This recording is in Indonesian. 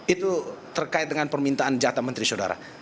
itu terkait dengan permintaan jatah menteri saudara